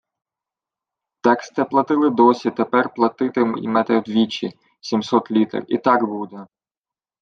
— Так сте платили досі Тепер платити-ймете вдвічі — сімсот літр. І так буде.